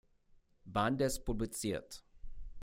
Bandes publiziert.